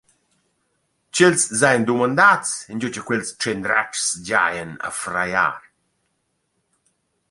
Ch’els s’hajan dumandats ingio cha quels tschendratschs giajan a frajar.